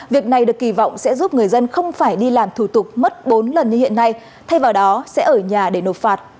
việc này được kỳ vọng sẽ giúp người dân không phải đi làm thủ tục mất bốn lần như hiện nay thay vào đó sẽ ở nhà để nộp phạt